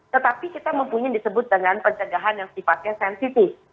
tetapi kita mempunyai disebut dengan pencegahan yang sifatnya sensitif